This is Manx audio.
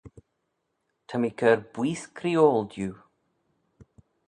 Ta mee cur booise creeoil diu.